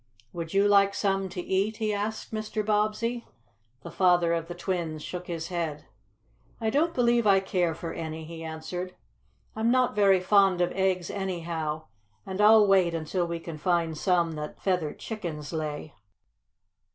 Would you like some to eat?" he asked Mr. Bobbsey. The father of the twins shook his head. "I don't believe I care for any," he answered. "I'm not very fond of eggs, anyhow, and I'll wait until we can find some that feathered chickens lay."